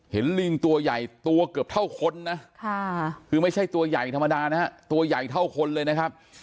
ลิงตัวใหญ่ตัวเกือบเท่าคนนะคือไม่ใช่ตัวใหญ่ธรรมดานะฮะตัวใหญ่เท่าคนเลยนะครับ